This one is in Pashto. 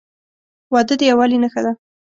• واده د یووالي نښه ده.